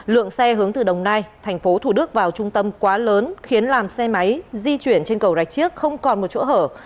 lượng xe hướng từ đồng nai thành phố thủ đức vào trung tâm quá lớn khiến làm xe máy di chuyển trên cầu rạch chiếc không còn một chỗ hở